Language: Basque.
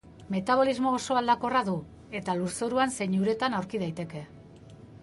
Metabolismo oso aldakorra du, eta lurzoruan zein uretan aurki daiteke.